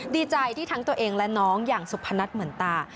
ดีใจที่ทั้งตัวเองและน้องอย่างสุพนัทเหมือนตา